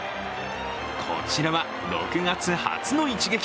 こちらは６月初の一撃。